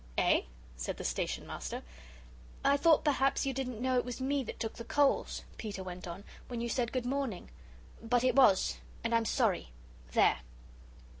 "Eh?" said the Station Master. "I thought perhaps you didn't know it was me that took the coals," Peter went on, "when you said 'Good morning.' But it was, and I'm sorry. There."